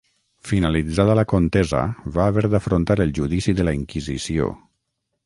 Finalitzada la contesa va haver d'afrontar el judici de la Inquisició.